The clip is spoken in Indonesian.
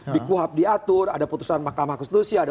dikuap diatur ada putusan mahkamah konstitusi